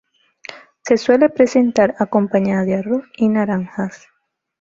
Se suele presentar acompañada de arroz y naranjas.